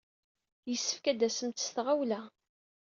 Yessefk ad d-tasemt s tɣawla.